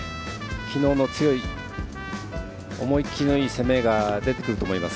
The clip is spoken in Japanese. きのうの強い思い切りのいい攻めが出てくると思います。